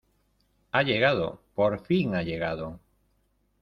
¡ Ha llegado! ¡ por fin ha llegado !